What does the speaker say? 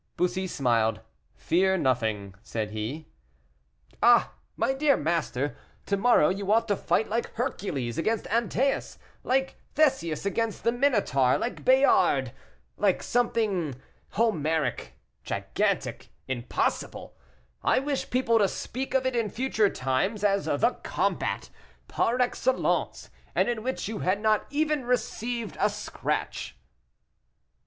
Bussy smiled. "Fear nothing," said he. "Ah! my dear master, to morrow you ought to fight like Hercules against Antæus like Theseus against the Minotaur like Bayard like something Homeric, gigantic, impossible; I wish people to speak of it in future times as the combat, par excellence, and in which you had not even received a scratch."